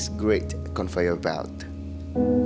dan memiliki pemberian perairan laut yang besar